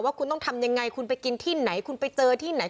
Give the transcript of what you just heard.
ว่าคุณต้องทำยังไงคุณไปกินที่ไหนคุณไปเจอที่ไหน